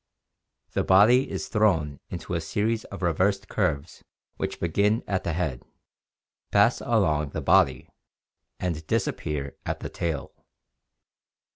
The body is thrown into a series of reversed curves which begin at the head, pass along the body, and disappear at the tail.